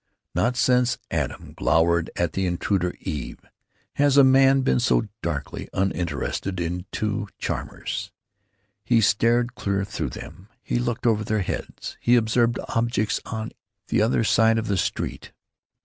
Not since Adam glowered at the intruder Eve has a man been so darkly uninterested in two charmers. He stared clear through them; he looked over their heads; he observed objects on the other side of the street.